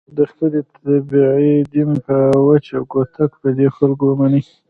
د خپلې طبعې دین به په وچ کوتک په دې خلکو ومني.